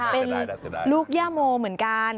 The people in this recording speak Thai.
เป็นลูกย่าโมเหมือนกัน